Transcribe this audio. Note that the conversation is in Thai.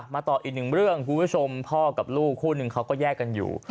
ต่ออีกหนึ่งเรื่องคุณผู้ชมพ่อกับลูกคู่หนึ่งเขาก็แยกกันอยู่